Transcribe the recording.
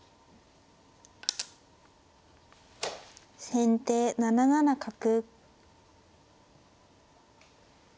先手７七角。